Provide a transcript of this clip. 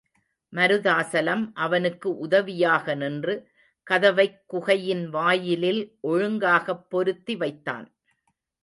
மருதாசலம் அவனுக்கு உதவியாக நின்று, கதவைக் குகையின் வாயிலில் ஒழுங்காகப் பொருத்தி வைத்தான்.